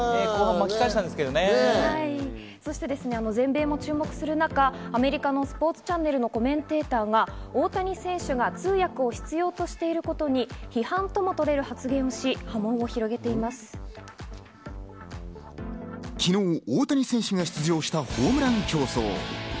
そして全米も注目する中、アメリカのスポーツチャンネルのコメンテーターが大谷選手が通訳を必要としていることに批判ともとれる発言をし、昨日、大谷選手が出場したホームラン競争。